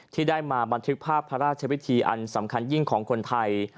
ที่ได้มาบันทึกภาพพระราชวิธีอันสำคัญยิ่งของคนไทย